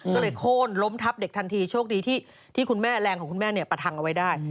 ก็เลยโค้นล้มทับเด็กทันทีโชคดีที่คุณแม่แรงของคุณแม่ประทังเอาไว้ได้